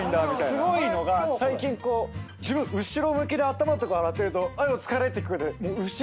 すごいのが最近自分後ろ向きで頭とか洗ってると「はいお疲れ」って聞こえて。